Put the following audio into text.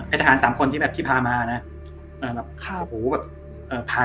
ไอทหารสามคนที่พามา